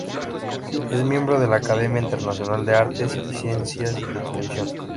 Es miembro de la Academia Internacional de Artes y Ciencias de Televisión.